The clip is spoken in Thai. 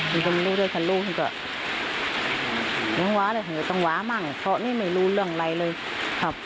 ผมรู้ด้วยค่ะรู้ด้วยก็ต้องว้าเลยต้องว้ามากเพราะนี่ไม่รู้เรื่องอะไรเลยครับ